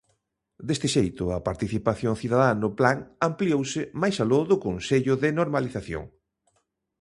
Deste xeito, a participación cidadá no Plan ampliouse máis aló do Consello de Normalización.